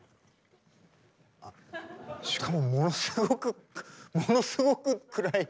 しかもものすごくものすごく暗い。